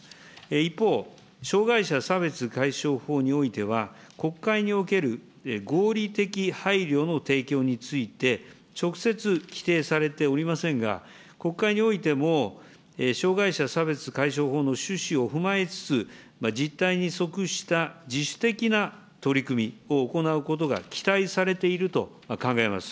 一方、障害者差別解消法においては、国会における合理的配慮の提供について、直接、規定されておりませんが、国会においても、障害者差別解消法の趣旨を踏まえつつ、実態に即した自主的な取り組みを行うことが期待されていると考えます。